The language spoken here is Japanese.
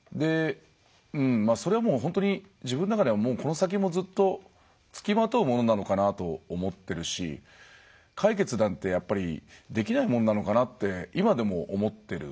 それは、もう本当に自分の中ではこの先もずっと付きまとうものなのかなと思ってるし解決なんて、やっぱりできないもんなのかなって今でも思ってる。